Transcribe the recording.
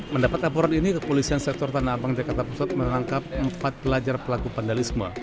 mendapat laporan ini kepolisian sektor tanah abang jakarta pusat menangkap empat pelajar pelaku vandalisme